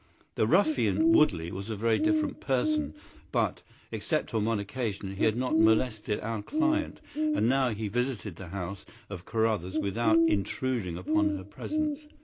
The ruffian Woodley was a very different person, but, except on one occasion, he had not molested our client, and now he visited the house of Carruthers without intruding upon her presence.